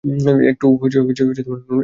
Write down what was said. একটুও নড়াচড়া করা যাবে না।